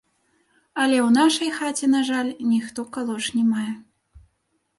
Але ў нашай хаце, на жаль, ніхто калош не мае.